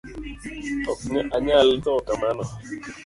Ok anyal thoo kamano